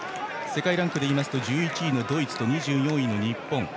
世界ランクでいいますと１１位のドイツと２４位の日本。